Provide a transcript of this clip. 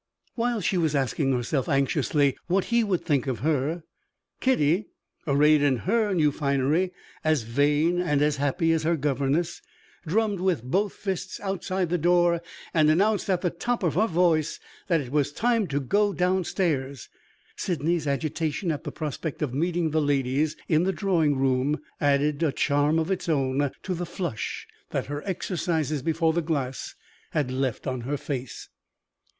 While she was asking herself anxiously what he would think of her, Kitty arrayed in her new finery, as vain and as happy as her governess drummed with both fists outside the door, and announced at the top of her voice that it was time to go downstairs. Sydney's agitation at the prospect of meeting the ladies in the drawing room added a charm of its own to the flush that her exercises before the glass had left on her face.